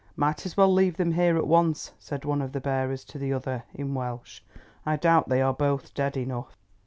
"Might as well leave them here at once," said one of the bearers to the other in Welsh. "I doubt they are both dead enough."